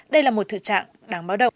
đây là một thự trạng đáng báo động